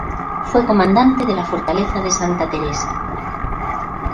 Fue comandante de la Fortaleza de Santa Teresa.